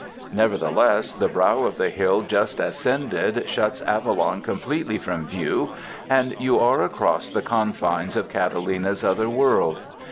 Nevertheless, the brow of the hill just ascended shuts Avalon completely from view and you are across the confines of Cata lina's other world.